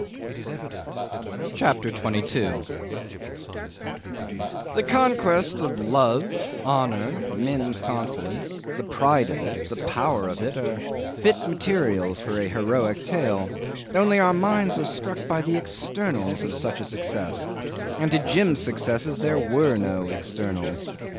CHAPTER 22 'The conquest of love, honour, men's confidence the pride of it, the power of it, are fit materials for a heroic tale; only our minds are struck by the externals of such a success, and to Jim's successes there were no externals.